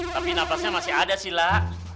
tapi nafasnya masih ada sih lak